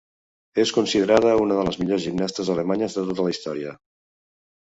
És considerada una de les millors gimnastes alemanyes de tota la història.